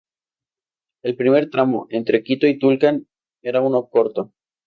El primer tramo, entre Quito y Tulcán, era uno corto.